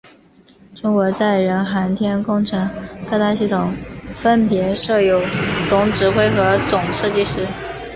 中国载人航天工程各大系统分别设有总指挥和总设计师。